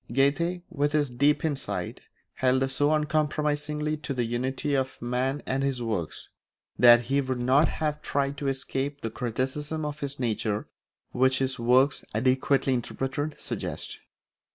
Goethe, with his deep insight, held so uncompromisingly to the unity of man and his works, that he would not have tried to escape the criticism of his nature which his works, adequately interpreted, suggest.